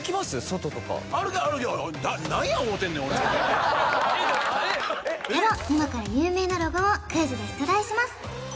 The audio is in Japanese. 外とかでは今から有名なロゴをクイズで出題します